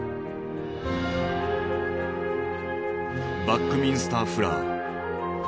バックミンスター・フラー。